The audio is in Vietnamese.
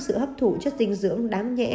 sự hấp thụ chất dinh dưỡng đáng nhẽ